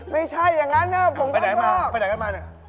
ไม่ใช่อย่างนั้นน่ะผมฟังบอก